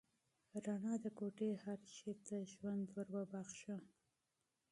رڼا د کوټې هر شی ته ژوند ور وباښه.